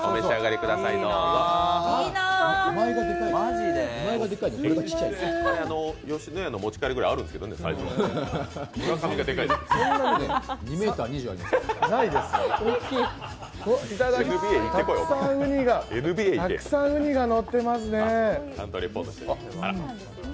たくさんうにがのってますね。